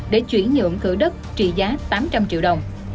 để chuyển nhượng thử đất trị giá tám trăm linh triệu đồng